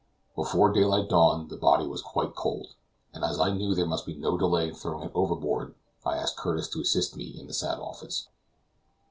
Before daylight dawned, the body was quite cold, and as I knew there must be no delay in throwing it overboard, I asked Curtis to assist me in the sad office.